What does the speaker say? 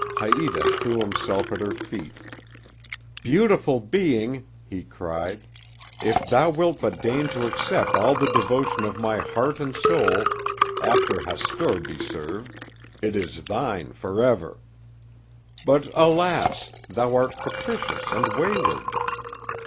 Haïta threw himself at her feet. "Beautiful being," he cried, "if thou wilt but deign to accept all the devotion of my heart and soul—after Hastur be served—it is thine forever. But, alas! thou art capricious and wayward.